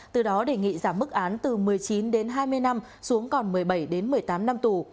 từ đó đề nghị giảm mức án từ một mươi chín đến hai mươi năm xuống còn một mươi bảy đến một mươi tám năm tù